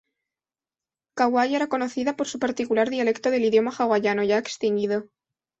Kauai era conocida por su particular dialecto del idioma hawaiano, ya extinguido.